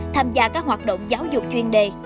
tham gia các hoạt động giáo dục chuyên đề